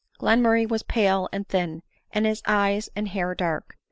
Glenmurray was pale and thin, and his eyes and hair dark.